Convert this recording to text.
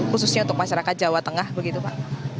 khususnya untuk masyarakat jawa tengah begitu pak